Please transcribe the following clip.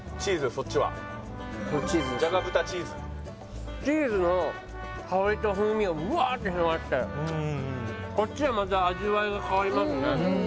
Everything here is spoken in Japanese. そっちはじゃが豚ちーずチーズの香りと風味がぶわーって広がってこっちはまた味わいが変わりますね